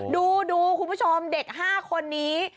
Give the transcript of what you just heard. ดูคุณผู้ชมเด็ก๕คนนี้